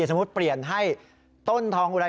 สมมุติเปลี่ยนให้ต้นทองอุไร